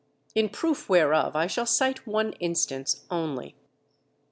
In proof whereof I shall cite one instance only.